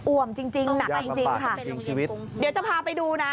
อุ่มจริงจริงหนักจริงจริงค่ะจริงชีวิตเดี๋ยวจะพาไปดูนะ